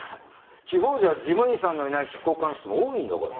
地方じゃ事務員さんのいない執行官室も多いんだから。